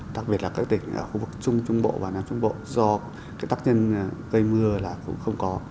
đặc biệt là các tỉnh khu vực trung trung bộ và nam trung bộ do tác nhân gây mưa là cũng không có